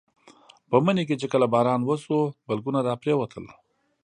په مني کې چې کله باران وشو بلګونه راپرېوتل.